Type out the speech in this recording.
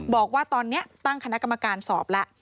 บอกว่าตอนนี้ตั้งคณะกรรมการสอบแล้ว